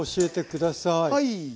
はい。